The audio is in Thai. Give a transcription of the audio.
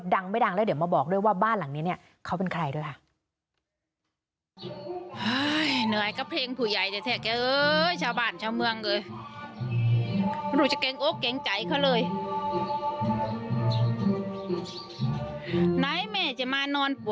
ดังไม่ดังแล้วเดี๋ยวมาบอกด้วยว่าบ้านหลังนี้เนี่ยเขาเป็นใครกันล่ะ